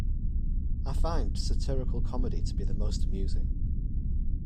I find satirical comedy to be the most amusing.